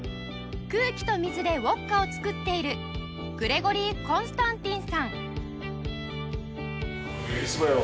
空気と水でウォッカを作っているグレゴリー・コンスタンティンさん